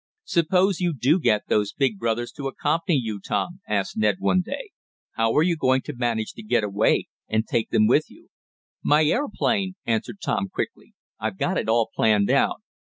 "Suppose you do get those big brothers to accompany you, Tom?" asked Ned one day. "How are you going to manage to get away, and take them with you?" "My aeroplane!" answered Tom quickly. "I've got it all planned out.